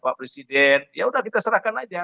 pak presiden yaudah kita serahkan aja